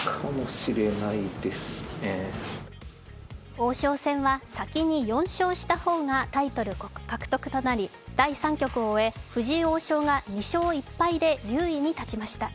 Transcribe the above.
王将戦は先に４勝した方がタイトル獲得となり、第３局を終え、藤井王将が２勝１敗で、優位に立ちました。